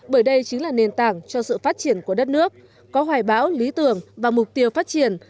bởi đây chính là nền tảng cho sự phát triển của đất nước có hoài bão lý tưởng và mục tiêu phát triển